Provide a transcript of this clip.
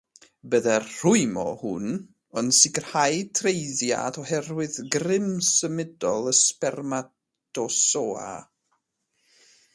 Byddai'r “rhwymo” hwn yn sicrhau treiddiad oherwydd grym symudol y sbermatosoa.